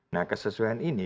nah kesesuaian ini